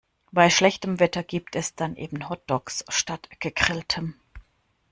Bei schlechtem Wetter gibt es dann eben Hotdogs statt Gegrilltem.